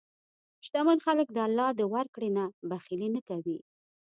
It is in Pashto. شتمن خلک د الله د ورکړې نه بخیلي نه کوي.